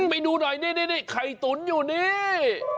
ไปดูหน่อยนี่ไข่ตุ๋นอยู่นี่